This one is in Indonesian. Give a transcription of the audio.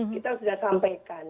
kita sudah sampaikan